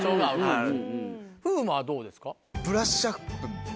風磨はどうですか？